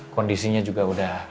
kondisinya juga udah